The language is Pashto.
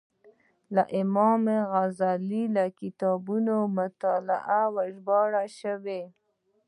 له امام غزالي له کتابو مطالب ژباړل شوي.